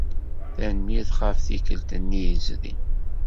Tanemmirt ɣef tikkelt-nni yezrin.